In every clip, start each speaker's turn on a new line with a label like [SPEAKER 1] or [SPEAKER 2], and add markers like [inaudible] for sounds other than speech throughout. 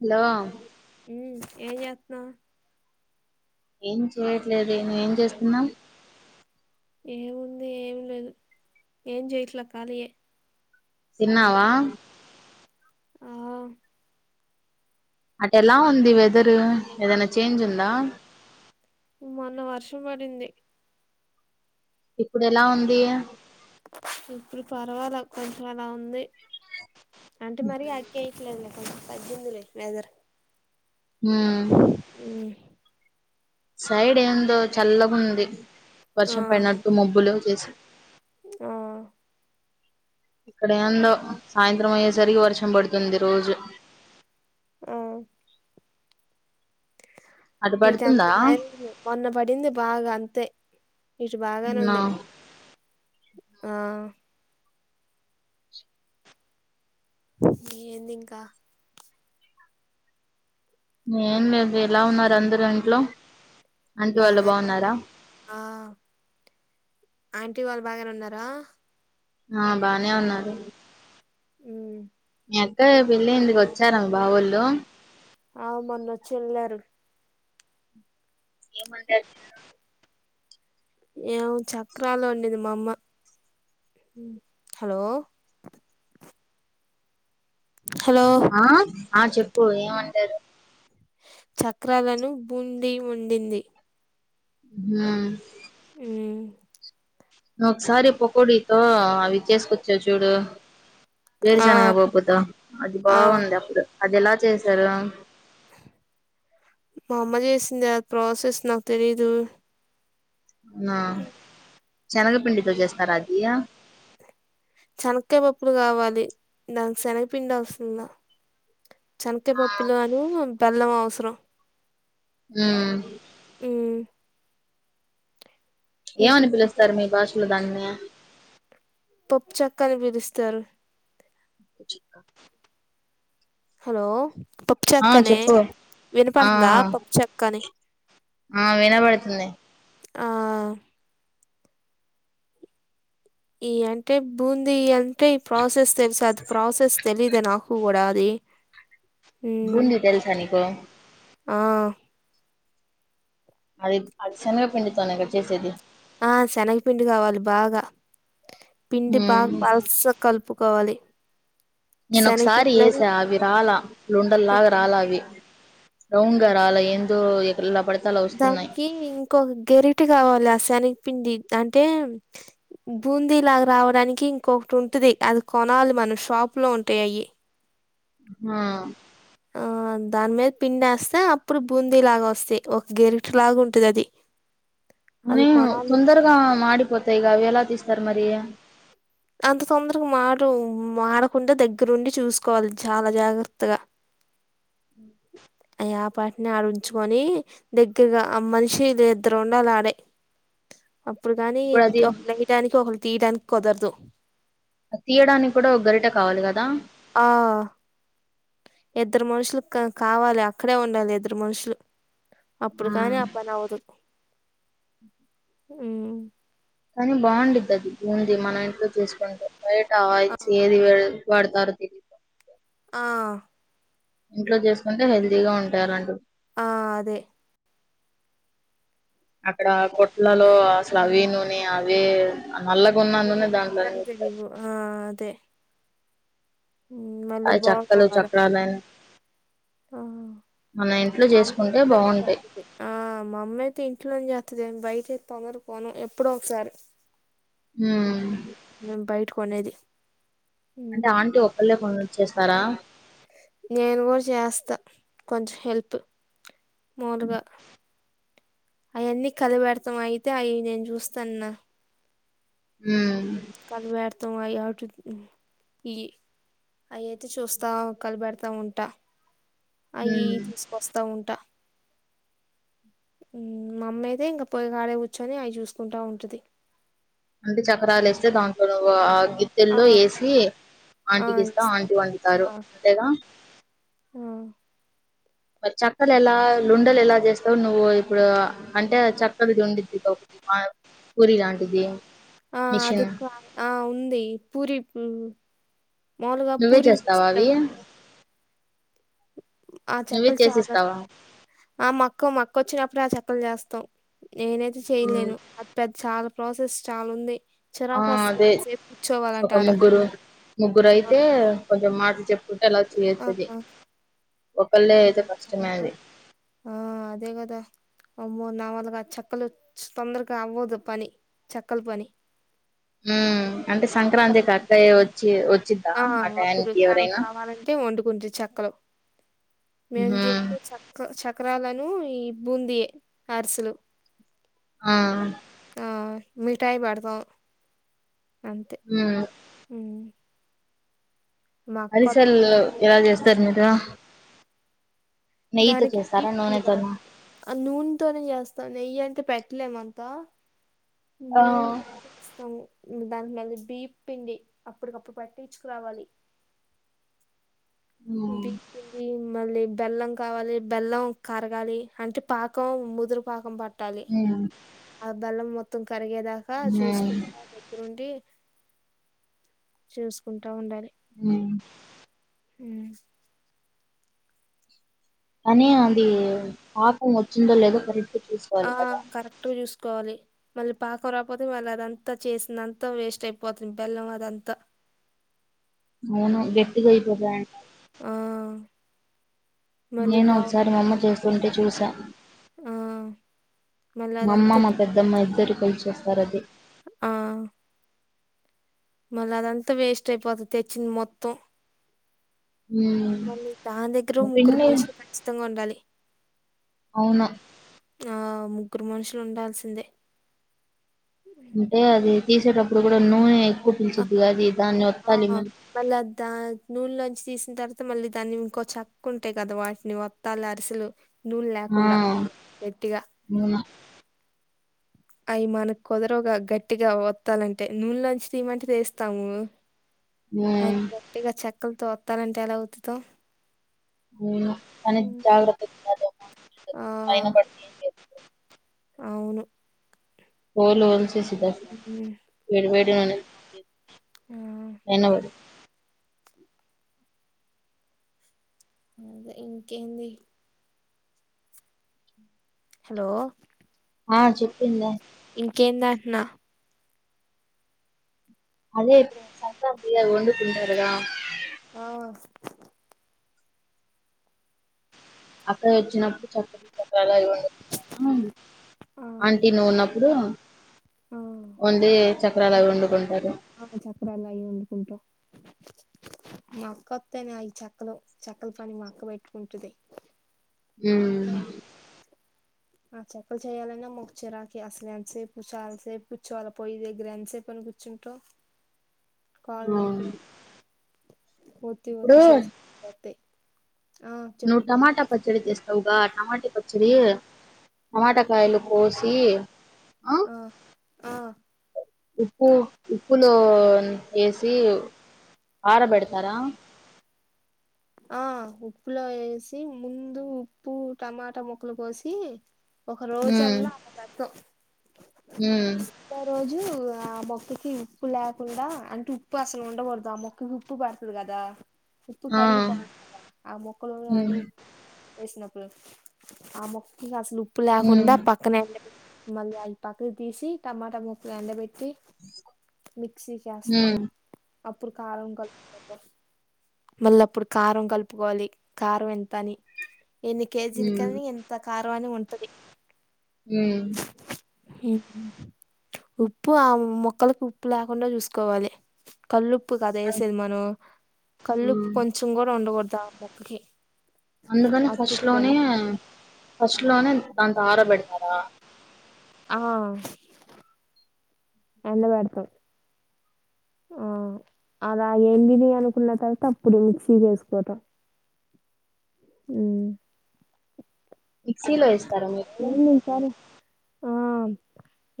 [SPEAKER 1] Hello
[SPEAKER 2] ఏం జేత్నావ్
[SPEAKER 1] ఏం చేయట్లేదే నువ్ ఏం చేస్తున్నావ్
[SPEAKER 2] ఏముంది ఏం లేదు ఏం జేయట్ల కాలీయే
[SPEAKER 1] తిన్నావా?
[SPEAKER 2] ఆ
[SPEAKER 1] అటు ఎలా ఉంది వెదరు, ఏదన్నా చేంజ్ ఉందా?
[SPEAKER 2] మొన్న వర్షం పడింది.
[SPEAKER 1] ఇప్పుడు ఎలా ఉంది?
[SPEAKER 2] ఇప్పుడు పర్వాలా కొంచెం అలా ఉంది అంటే మరి అడికేయిట్లేదు తగ్గిందిలే వెదర్
[SPEAKER 1] ఉమ్
[SPEAKER 2] ఉమ్
[SPEAKER 1] ఉంది
[SPEAKER 2] ఆ
[SPEAKER 1] వర్షం పడినట్టు మబ్బులు చేసి
[SPEAKER 2] ఆ
[SPEAKER 1] ఇక్కడ ఏందో సాయంత్రం అయ్యేసరికి వర్షం పడుతుంది రోజు.
[SPEAKER 2] ఆ
[SPEAKER 1] అటు
[SPEAKER 2] ఇట అంత
[SPEAKER 1] పడుతుందా
[SPEAKER 2] లేదులే మొన్న బడింది బాగా అంతే ఇటు బాగానే
[SPEAKER 1] అవునా
[SPEAKER 2] ఉంది, ఆ ఏంది ఇంకా?
[SPEAKER 1] ఏం లేదువే ఎలా మీరు ఎలా ఉన్నారు అందరు ఇంట్లో, ఆంటీ వాళ్ళు
[SPEAKER 2] బాగానే
[SPEAKER 1] బాగున్నారా?
[SPEAKER 2] ఆ ఆంటీ వాళ్ళు బాగనే ఉన్నారా?
[SPEAKER 1] ఆ బానే ఉన్నారు.
[SPEAKER 2] ఉమ్
[SPEAKER 1] మీ అక్క పెళ్ళి అయిందిగా వచ్చార మీ బావోళ్ళు
[SPEAKER 2] ఆ మొన్న వచ్చి ఎళ్ళారు
[SPEAKER 1] ఏమంటారు మీరు
[SPEAKER 2] ఏమో చక్రాలు వండింది మా అమ్మ, హలో హలో
[SPEAKER 1] ఆ ఆ చెప్పు ఏం వండారు?
[SPEAKER 2] చక్రాలను బూంది వండింది.
[SPEAKER 1] ఉమ్
[SPEAKER 2] మ్మ్
[SPEAKER 1] ఒకసారి పకోడితో అవి చేసుకొచ్చా చూడు?
[SPEAKER 2] ఆ
[SPEAKER 1] వేరుశనగ పప్పుతో అది
[SPEAKER 2] ఆ
[SPEAKER 1] బాగుంది అప్పుడు అది ఎలా చేసారు?
[SPEAKER 2] మా అమ్మ చేసింది, అ ప్రాసెస్ నాకు తెలీదు.
[SPEAKER 1] ఆ శనగపిండితో చేస్తారా అదీయ
[SPEAKER 2] చనక్కాయ పప్పులు కావాలి దానికి శనగపిండి అవసరంలా. చెనక్కాయ పప్పులో అనూ బెల్లం అవసరం
[SPEAKER 1] ఉమ్
[SPEAKER 2] ఉమ్
[SPEAKER 1] ఏమని పిలుస్తారు మీ భాషలో దాన్ని?
[SPEAKER 2] పప్పు చెక్క అని పిలుస్తారు.
[SPEAKER 1] చిక్క
[SPEAKER 2] హలో పప్పు
[SPEAKER 1] ఆ
[SPEAKER 2] చెక్కనే
[SPEAKER 1] చెప్పు ఆ
[SPEAKER 2] వినపడిందా పప్పు చెక్కని
[SPEAKER 1] ఆ వినబడిందిలే.
[SPEAKER 2] ఆ ఈ అంటే బూందీ అంటే ఈ ప్రాసెస్ తెలుసు అది, ప్రాసెస్ తెలీదే నాకు కూడా ది
[SPEAKER 1] బూందీ తెలుసా నీకు
[SPEAKER 2] ఆ
[SPEAKER 1] అది అది శనగా పిండితోనే గద చేసేది.
[SPEAKER 2] ఆ శనగపిండి కావాలి బాగా పిండి బాగా
[SPEAKER 1] ఉమ్
[SPEAKER 2] పలస కలుపు కోవాలి
[SPEAKER 1] నేనొ ఒకసారి ఎసా అవి రాలా
[SPEAKER 2] ఆ
[SPEAKER 1] లుండల్లాగా రాలా అవి రౌండ్ గా రాలా ఏందో ఎట్లా పడితే అలా వస్తున్నాయి
[SPEAKER 2] దానికి ఇంకొక గెరిటి కావాలి అసనికి పిండి అంటే బూందీ లాగ రావడానికి ఇంకొకటి ఉంటది అది కొనాలి మనం షాప్ లో ఉంటయి అయి
[SPEAKER 1] ఆ
[SPEAKER 2] ఆ దాని మీద పిండి ఎస్తే అప్పుడు బూందీలాగా వస్తాయి ఒక గెరిట్ లాగా ఉంటది అది అది
[SPEAKER 1] అని
[SPEAKER 2] కొనాలి
[SPEAKER 1] తొందరగా మాడిపోతాయిగా అవి ఎలా తీస్తారు మరి
[SPEAKER 2] అంత తొందరగా మాడు మాడకుండా దగ్గరుండి చూసుకోవాలి చాలా జాగ్రత్తగా అయ్యా ఆ పాటిని అడుంచుకొని దగ్గరగా ఆ మనిషి ఇద్దరు ఉండాలా ఆడే అప్పుడు కాని
[SPEAKER 1] ఇప్పుడు అది
[SPEAKER 2] ఒక వేయడానికి ఒకళ్ళు తీయడానికి కుదరదు
[SPEAKER 1] తీయడానికి కూడా ఒక గరిట కావాలి కదా
[SPEAKER 2] ఆ ఇద్దరు మనుషులు క కావాలి అక్కడే ఉండాలి ఇద్దరు మనుషులు అప్పుడు కానీ ఆ పని అవ్వదు ఉ
[SPEAKER 1] కానీ బాగుండిద్ది అది బుంది మనం ఇంట్లో చేసుకుంటే బయట ఆయిల్ చేది వ వాడుతారో తెలి
[SPEAKER 2] ఆ
[SPEAKER 1] ఇంట్లో చేసుకుంటే హెల్తీగా ఉంటారు అంటు
[SPEAKER 2] ఆ అదే
[SPEAKER 1] అక్కడ కొట్లలో అసలు అవి నూనె అవే నల్లగా ఉన్న నూనె దాంట్లోనే ఏస్తారు
[SPEAKER 2] ఆ అదే హ్మ్
[SPEAKER 1] ఆ
[SPEAKER 2] మళ్ళీ
[SPEAKER 1] చక్కలు
[SPEAKER 2] బాగోవు ఆడ
[SPEAKER 1] చక్రాలన్
[SPEAKER 2] ఆ మా అమ్మ ఇంట్లోనే చేస్తది ఆ మా అమ్మయితే ఇంట్లోనే చేస్తది బయట తొందరగా పోను ఎప్పుడో ఒకసారి
[SPEAKER 1] ఉమ్
[SPEAKER 2] మేము బయట కొనేది ఉమ్
[SPEAKER 1] అంటే ఆంటీ ఒకళ్లే కొంద చేస్తారా
[SPEAKER 2] నేను కూడా చేస్తా కొంచెం హెల్ప్ మములుగా అయన్నీ కలబెడతాం అయితే అయి నేను చూస్తాన్న
[SPEAKER 1] ఉమ్మ్
[SPEAKER 2] తమ అయి ఈ అయయితే చూస్తా కలిపెడతా ఉంటా అయి ఇవి
[SPEAKER 1] ఉమ్
[SPEAKER 2] తీసుకొస్తా ఉంటా ఉ మా అమ్మ అయితే ఇంకా పోయి కాడే కూర్చొని అవి చూసుకుంటా ఉంటది
[SPEAKER 1] అంటే చక్రాలు ఎస్తే దాంట్లో నువు ఆ
[SPEAKER 2] ఆ
[SPEAKER 1] గిద్దెల్లో ఎసి ఆంటీకి ఇస్తా ఆంటీ వండుతారు
[SPEAKER 2] ఆ
[SPEAKER 1] అంతేగా
[SPEAKER 2] ఆ
[SPEAKER 1] చక్కలు ఎలా లుండలు ఎలా చేస్తావు నువ్వు ఇప్పుడు అంటే చక్కగాది ఉండిద్ది ఒక పూరిలాంటిది
[SPEAKER 2] ఆ అది కా ఆ ఉంది పూరి ఉమ్ మాములుగా
[SPEAKER 1] నువ్వే
[SPEAKER 2] పూరిలు
[SPEAKER 1] చేస్తావా అవి
[SPEAKER 2] చేస్తాం కదా ఆ
[SPEAKER 1] నువ్వే
[SPEAKER 2] చెప్పలు చేరా
[SPEAKER 1] చేసిస్తావా
[SPEAKER 2] ఆ మక్క మక్క వచ్చినప్పుడు ఆ చెప్పలు చేస్తాం నేనైతే
[SPEAKER 1] ఉమ్,
[SPEAKER 2] చెయలేను అంతా చాలా ప్రాసెస్ చాలా ఉంది
[SPEAKER 1] ఆ
[SPEAKER 2] చిరాకు వస్తుంది
[SPEAKER 1] అదే
[SPEAKER 2] ఎంతసేపు
[SPEAKER 1] ఒక
[SPEAKER 2] కూర్చోవాలంటే ఆడ
[SPEAKER 1] ముగ్గురు ముగ్గురు
[SPEAKER 2] ఆ
[SPEAKER 1] అయితే కొంచెం మాట చెప్ కుటల్
[SPEAKER 2] ఆ
[SPEAKER 1] వచ్చిచేత్తది
[SPEAKER 2] ఆ ఆ అదే కదా అమ్మో నా వాళ్ళ ఆ చెక్కలు తొందరగా అవ్వదు పని చెక్కలు పని
[SPEAKER 1] ఆ అంటే
[SPEAKER 2] ఆవిడ కాదు.
[SPEAKER 1] సంక్రాంతికి అక్కయ్య వచ్చి వచ్చింద్దా ఆ టయానికి ఎవరైనా
[SPEAKER 2] ఓ వండుకుంటి చక్కలు మేము
[SPEAKER 1] ఉహుం.
[SPEAKER 2] చెప్పే చక్క చక్రాలను ఇ బుంది అర్సులు
[SPEAKER 1] ఆ
[SPEAKER 2] ఆ మిఠాయి పడతాం అంతే
[SPEAKER 1] ఉమ్.
[SPEAKER 2] మా
[SPEAKER 1] అరిసల్
[SPEAKER 2] అక్క
[SPEAKER 1] ఎలా చేస్తారు మీరు నెయ్యితో
[SPEAKER 2] దానికి
[SPEAKER 1] చేస్తారా
[SPEAKER 2] బిపిండి
[SPEAKER 1] నూనెతోనా
[SPEAKER 2] కాబట్టి ఆ నూనెతోనే చేస్తాం నెయ్యి అంటే పెట్టలేము మనం
[SPEAKER 1] ఆ
[SPEAKER 2] నూనెతో చేస్తాను దానికి మళ్ళీ బియ్యపు పిండి అప్పుటికప్పుడు పట్టించుకురావాలి
[SPEAKER 1] మ్మ్
[SPEAKER 2] బిపిండి ఇమ్ మళ్ళీ బెల్లం కావాలి బెల్లం కరగాలి అంటే పాకం ముదురు పాకం ప
[SPEAKER 1] ఉనా
[SPEAKER 2] ఆ బెల్లం మొత్తం కరిగేదాకా
[SPEAKER 1] మ్మ్
[SPEAKER 2] చూసుకుంటా దగ్గరుండి చూసుకుంటా ఉండాలి
[SPEAKER 1] మ్మ్
[SPEAKER 2] మ్మ్
[SPEAKER 1] కానీ అది పాకం వచ్చిందో లేదో పరి
[SPEAKER 2] ఆ కరెక్టుగా చూసుకోవాలి మళ్ళీ పాకం రాపోతే మళ్ళీ అదంతా చేసింది అంతా వేస్ట్ అయిపోతుంది బెల్లం అదంతా
[SPEAKER 1] అవును గట్టిగా అయిపోతాయన
[SPEAKER 2] ఆ మళ్ళీ
[SPEAKER 1] నేను
[SPEAKER 2] బాగు
[SPEAKER 1] ఒకసారి మాఅమ్మ చేస్తుంటే చూసా
[SPEAKER 2] ఆ మళ్ళ
[SPEAKER 1] మా అమ్మ
[SPEAKER 2] అదంతా
[SPEAKER 1] మా పెద్దమ్మ ఇద్దరు కలిసి చేస్తారు అది
[SPEAKER 2] ఆ మళ్ళా అదంతా వేస్ట్ అయిపోతాది తెచ్చింది మొత్తం
[SPEAKER 1] మ్మ్
[SPEAKER 2] మళ్ళీ దాని దగ్గర
[SPEAKER 1] ఆ
[SPEAKER 2] ముగ్గురు
[SPEAKER 1] పిండి
[SPEAKER 2] మనుషులు ఖచ్చితంగా ఉండాలి
[SPEAKER 1] అవునా
[SPEAKER 2] ఆ ముగ్గురు మనుషులు ఉండాల్సిందే
[SPEAKER 1] అంటే అది తీసేటప్పుడు కూడా నూనె పీల్చిద్ది అది దాన్ని
[SPEAKER 2] ఆ
[SPEAKER 1] ఒత్తాలి మనం
[SPEAKER 2] మళ్ళాద్దా నూనెలోంచి తీసిన్ తరువాత మళ్ళీ దాన్ని ఇంకో చెక్క ఉంటాయి కదా వాటిని వత్తాలే అరిసెలు నూనె
[SPEAKER 1] ఆ
[SPEAKER 2] లేకుండా గట్టిగా
[SPEAKER 1] అవును
[SPEAKER 2] అవి మనకు కుదరవుగా గట్టిగా వత్తాలంటే నూనెలోంచి తీయ్యమంటే తీస్తాము
[SPEAKER 1] మ్యా
[SPEAKER 2] అవి గట్టిగా చెక్కలతో వత్తాలంటే ఎలా వత్తుతామ్
[SPEAKER 1] మన జాగ్రతగా
[SPEAKER 2] ఆ
[SPEAKER 1] [unintelligible] పైన పెట్టెసేప్పుడు
[SPEAKER 2] అవును
[SPEAKER 1] తోలు వొలిచేసి కోసం
[SPEAKER 2] హ్మ్.
[SPEAKER 1] వేడివేడిగా [unintelligible] చేసుకోని
[SPEAKER 2] ఆ
[SPEAKER 1] ఎన్నవడు
[SPEAKER 2] అదే ఇంకేంది హలో
[SPEAKER 1] ఆ చెప్పిందే
[SPEAKER 2] ఇంకేం అంటున్న
[SPEAKER 1] అదే ఇప్పుడు మీ సన్న బియ్యం వండుకుంటారు కథ
[SPEAKER 2] ఆ
[SPEAKER 1] అక్కయ్య వచ్చినప్పుడు చక్కినాలు చక్రాలు వండుకుంటాం ఆ
[SPEAKER 2] ఆ
[SPEAKER 1] ఆంటీ నువ్వు ఉన్నప్పుడు
[SPEAKER 2] ఆ
[SPEAKER 1] ఓన్లీ చక్రాలు అవి వండుకుంటారు
[SPEAKER 2] ఏం వండుకుంటావ్ మా అక్క అత్తనే ఐ చక్కలు చక్కల పని మా అక్క పెట్టుకుంటది
[SPEAKER 1] ఉ
[SPEAKER 2] ఆ చకినాలు చేయాలన్నా మాకు చిరాకె అసలే అంతసేపు ఎంతసేపు కుచ్చోవాళ్ళ పోయి దగ్గర అంత సేపు అని కూర్చుంటాం కాళ్ళ
[SPEAKER 1] అవును
[SPEAKER 2] నొప్పులు, ఒత్తి ఒత్తి
[SPEAKER 1] ఇప్పుడు
[SPEAKER 2] చేసి పోతయి అంతే
[SPEAKER 1] నువ్వు టమాటా పచ్చడి చేస్తావుగా టమాట పచ్చడి టమాటా కాయలు కోసి
[SPEAKER 2] ఆ ఆ
[SPEAKER 1] ఉప్పు ఉప్పులో వేసి ఆరబెడతారా
[SPEAKER 2] ఆ ఉప్పులో ఏసి ముందు ఉప్పు టమాటా మొక్కలు కోసి ఒక రోజల్లా పెట్టు
[SPEAKER 1] ఉ
[SPEAKER 2] ఆ మొక్కకు ఉప్పు లేకుండా అంటే ఉప్పు అసలు ఉండకూడదు ఆ మొక్కకి ఉప్పు పడుతుంది కదా ఉప్పు
[SPEAKER 1] ఆ!
[SPEAKER 2] కరిగిపో పోతుంది కదా ఆ మొక్కల అ
[SPEAKER 1] హ్మ్.
[SPEAKER 2] ఉప్పు వేసినప్పుడు ఆ మొక్కకి అసలు ఉప్పు
[SPEAKER 1] హ్మ్.
[SPEAKER 2] లేకుండా పక్కన మళ్లీ పక్కకి తీసి టమాటా మొక్కలు ఎండబెట్టి మిక్సీకి
[SPEAKER 1] హ్మ్.
[SPEAKER 2] వేస్తారు అప్పుడు కారం కలుపుకోవాలి మళ్ళీ అప్పుడు కారం కలుపుకోవాలి కారం ఎంత అని ఎన్ని
[SPEAKER 1] హ్మ్.
[SPEAKER 2] కేజీలకు ఎంత కారం పరిమాణం ఉంటది
[SPEAKER 1] ఉ
[SPEAKER 2] ఉ హు ఉప్పు ఆ మొక్కలకి ఉప్పు లేకుండా చూసుకోవాలి కల్లుప్పు కదా మనం
[SPEAKER 1] అన్
[SPEAKER 2] వేసేది మనం కల్లుపు
[SPEAKER 1] హ్మ్.
[SPEAKER 2] కొంచెం మెత్తగా ఉండకూడదా పైకి
[SPEAKER 1] అందుకని ఫస్ట్ లోనే ఫస్ట్ లోనే దాంతో ఆరా పెడతారా
[SPEAKER 2] ఆ ఎల్ల కడతావ్ ఆ అలా ఎండినై అనుకున్న తర్వాత అప్పుడు మిక్సీ చేసుకుటం ఉ
[SPEAKER 1] మిక్సీలో ఇస్తారా మీరు
[SPEAKER 2] ఏంది ఈసారి ఆ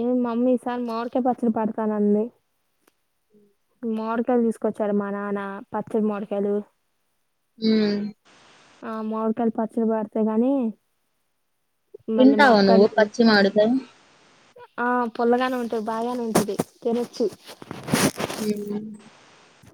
[SPEAKER 2] ఏం మమ్మీ ఈ సారి మామిడి కాయ పచ్చడి పడతాంది మామిడికాయలు తీసుకొచ్చారు మా నాన్న పచ్చడి మామిడికాయలు
[SPEAKER 1] ఉ
[SPEAKER 2] ఆ మాడికాయల పచ్చడి బడ్తే గానీ
[SPEAKER 1] తింటావ నువ్వు పచ్చి మామిడికాయ్
[SPEAKER 2] ఆ పుల్లగానే ఉంటది బాగానే ఉంటది తినొచ్చు
[SPEAKER 1] మ్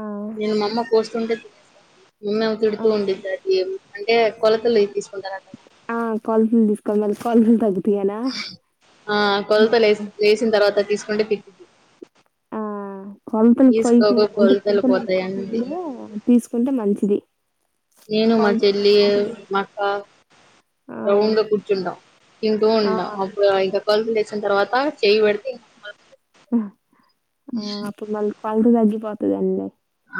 [SPEAKER 2] ఆ
[SPEAKER 1] నేను మా అమ్మ కోస్తుంటే తినస్తాను అమ్మ
[SPEAKER 2] ఆ
[SPEAKER 1] తిడుతూ ఉండిద్ది అది అంటే కొలతలు తీసుకుంటారు అటగ
[SPEAKER 2] కొల్లల్ కొల్తల్ తగ్గి
[SPEAKER 1] ఆ కొల్తల్ లేస్ లేసిన తర్వాత తీసుకుంటే తిట్టిద్ది
[SPEAKER 2] ఆ కొల్తలు కొయ్కి
[SPEAKER 1] తీసుకోకు
[SPEAKER 2] అంటే
[SPEAKER 1] కొలతలు
[SPEAKER 2] కొల్తలు
[SPEAKER 1] పోతాయి
[SPEAKER 2] ఎయక
[SPEAKER 1] అనిద్ది.
[SPEAKER 2] ముందే తీసు కుంటే మంచిది
[SPEAKER 1] నేను మా చెల్లి
[SPEAKER 2] కొలతలు
[SPEAKER 1] మా అక్క
[SPEAKER 2] ఆ
[SPEAKER 1] రౌండ్గ కుర్చుటం తింటు
[SPEAKER 2] ఆ
[SPEAKER 1] ఉంటాం ఒక ఐదు రకాలు చేస్ సిన తర్వాత చేయ పెడితే ఇ
[SPEAKER 2] ఆ అప్పుడు మళ్ళి కొల్త పళట తగ్గిపోతదన్లే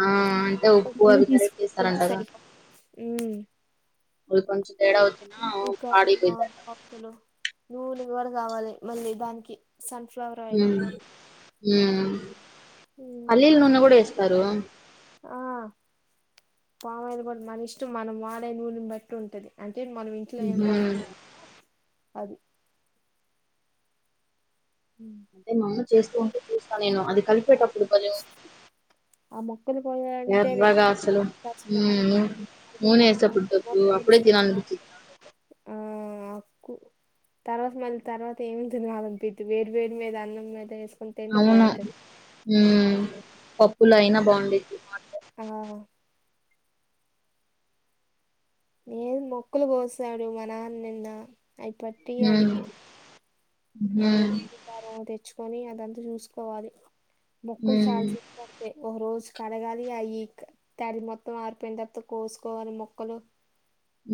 [SPEAKER 1] ఆ అంటే ఉప్పు అవి కరెక్ట్
[SPEAKER 2] తీసుకుంటే
[SPEAKER 1] ఎస్తారంటగా
[SPEAKER 2] సరిపోతది
[SPEAKER 1] కొంచెం తేడా వచ్చిన పాడైపోయిద్దిఅట
[SPEAKER 2] పులిహార కావాలి మళ్ళీ దానికి సన్ఫ్లవర్ ఆయిల్
[SPEAKER 1] మ్ మ్ పల్లీల నూనె కూడా ఎస్తారు
[SPEAKER 2] ఆ పామాయిల్ కూడా మన ఇష్టం మనం వాడే నూనిని బట్టి ఉంటది అ అ మనం ఇంట్లో ఏం
[SPEAKER 1] ఉహు
[SPEAKER 2] వాడతాం అది
[SPEAKER 1] అదే మా అమ్మ చేస్తూ ఉంటే చూస్తా నేను అది కలిపేటప్పుడు కుంచెం
[SPEAKER 2] ఆ మొక్కలు పోయాలంటేనే
[SPEAKER 1] ఎర్రగ అసలు
[SPEAKER 2] కష్టం అయితే
[SPEAKER 1] నూనె
[SPEAKER 2] మొ
[SPEAKER 1] ఎసెప్పుడు తగ్గు
[SPEAKER 2] మొక్కలు
[SPEAKER 1] అప్పుడే
[SPEAKER 2] తీసుకొస్తా
[SPEAKER 1] తినలనిపిచిద్ది నాకైతే
[SPEAKER 2] ఆ క్కు తర్వాత మళ్ళీ తర్వాత ఏమి తినాలనిపిత్తు వేడి వేడి మీద అన్నం మీద వే
[SPEAKER 1] అవును మ్ పప్పులో అయినా బావుండిద్ది
[SPEAKER 2] ఆ ఏది మొక్కులు కోసాడు మా నాన్న నిన్న అయిపట్టి అది
[SPEAKER 1] ఉమ్
[SPEAKER 2] అది
[SPEAKER 1] ఉమ్
[SPEAKER 2] కారం తీస్తే తెచ్చుకొని అదంతా చూసుకోవాలి ముక్కలు చాలా
[SPEAKER 1] ఉమ్
[SPEAKER 2] చిన్న పడతయ్ ఓ రోజు కడగాలి అయి తడి మొత్తం ఆరిపోయిన తర్వాత కోసుకోవాలి ముక్కలు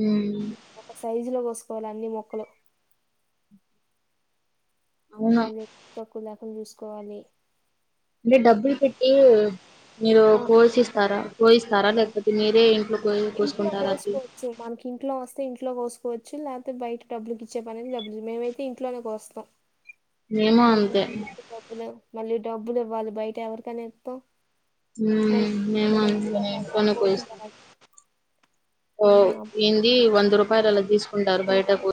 [SPEAKER 1] ఉమ్
[SPEAKER 2] సైజు లో కోసుకోవాలి అన్ని ముక్కలు ఇంగ
[SPEAKER 1] అవును
[SPEAKER 2] అది తక్కువ లేకుండా చూసుకోవాలి
[SPEAKER 1] లే డబ్బులు పెట్టి మీరు
[SPEAKER 2] ఆ,
[SPEAKER 1] కోసిస్తారా కోయిస్తారా లేకపోతే మీరే కో
[SPEAKER 2] ఇంట్లో
[SPEAKER 1] కోసుకుంటారా అది
[SPEAKER 2] కోసుకోవచ్చు మనకి ఇంట్లో వస్తే ఇంట్లో కోసుకో కోవచ్చు లేతే బయట డబ్బుల కిచ్చే పనిని డబ్బులు మేమైతే ఇంట్లోనే కోస్తాం
[SPEAKER 1] మేము
[SPEAKER 2] మళ్ళీ
[SPEAKER 1] అంతే
[SPEAKER 2] డబ్బులు మళ్ళీ డబ్బులు ఇవ్వాలి బయట ఎవరికైన పొ
[SPEAKER 1] మ్ మేము అంతే
[SPEAKER 2] ఆ
[SPEAKER 1] కొని
[SPEAKER 2] కోటి
[SPEAKER 1] కోయిస్తాం
[SPEAKER 2] వెళ్ళాలి
[SPEAKER 1] ఓ
[SPEAKER 2] ఉమ్,
[SPEAKER 1] ఏంది వంద రూపాయలు అలా తీసుకుంటారు బయట
[SPEAKER 2] అబ్బో